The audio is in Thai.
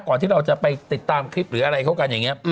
ที่เราจะไปติดตามคลิปหรืออะไรเขากันอย่างนี้